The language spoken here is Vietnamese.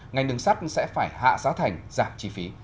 ngành đường sắt sẽ phải hạ giá thành giảm chi phí